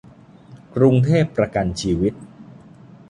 กรุงเทพประกันชีวิต